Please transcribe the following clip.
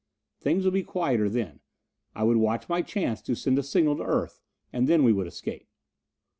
Things would be quieter then I would watch my chance to send a signal to Earth, and then we would escape.